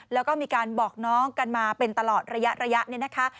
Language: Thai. แล้วก็มีการบอกน้องกันมาเป็นตลอดระยะเนี่ยนะคะ